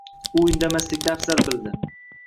U indamaslikni afzal bildi.